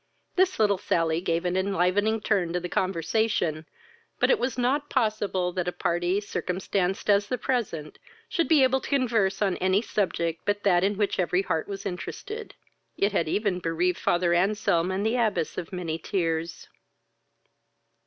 This little sally gave an enlivening turn to the conversation, but it was not possible that a party, circumstanced as the present, should be able to converse on any subject but that in which every heart was interested: it had even bereaved father Anselm and the abbess of many tears.